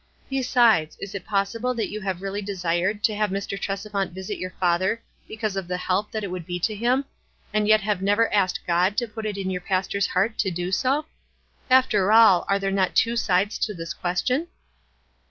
Besides, is it possible that you have really desired to have Mr. Tresevant visit your father because of the help that it would be to him, and yet have never asked God to put it into your pastor's heart to do so? After all, are there not two sides to this ques tion?"